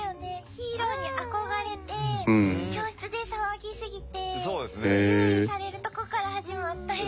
ヒーローに憧れて教室で騒ぎすぎて注意されるとこから始まったり。